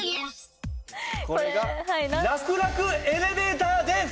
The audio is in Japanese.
これが楽々エレベーターです！